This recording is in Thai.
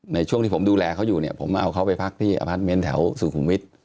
ในช่วงที่ผมดูแลเขาอยู่เนี่ยผมเอาเขาไปพักที่อพาร์ทเมนต์แถวสุขุมวิทย์